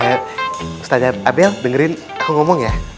ustadz abel dengerin aku ngomong ya